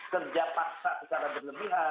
kerja paksa secara berlebihan